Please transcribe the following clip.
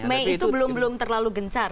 mei itu belum belum terlalu gencar